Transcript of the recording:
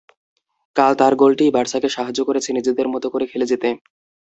কাল তাঁর গোলটিই বার্সাকে সাহায্য করেছে নিজেদের মতো করে খেলে যেতে।